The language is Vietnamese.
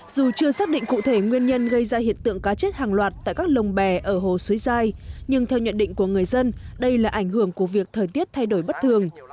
dù chưa xác định cụ thể nguyên nhân gây ra hiện tượng cá chết hàng loạt tại các lồng bè ở hồ suối giai nhưng theo nhận định của người dân đây là ảnh hưởng của việc thời tiết thay đổi bất thường